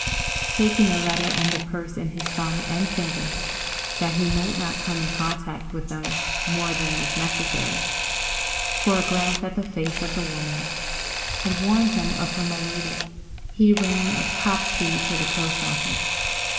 Taking the letter and the purse in his thumb and finger, that he might not come in contact with them more than was necessary—for a glance at the face of the woman had warned him of her malady—he ran at top speed to the post office.